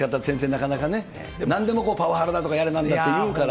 なかなかね、なんでもパワハラだとかやれなんだとかいうから。